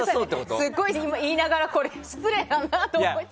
すごい、言いながら失礼だなと思いつつ。